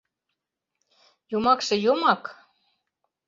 — Йомакше — йомак.